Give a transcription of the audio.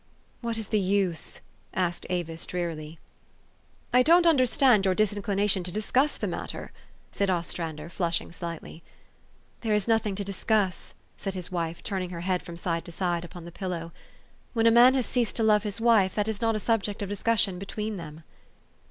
" What is the use ?" asked Avis drearily. "I don't understand your disinclination to discuss the matter," said Ostrander, flushing slightly. 4 'There is nothing to discuss," said his wife, turning her head from side to side upon the pillow. " When a man has ceased to love his wife, that is not a subject of discussion between them."